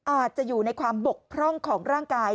อาจจะอยู่ในความบกพร่องของร่างกาย